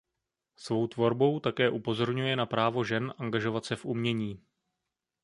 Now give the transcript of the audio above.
Svou tvorbou také upozorňuje na právo žen angažovat se v umění.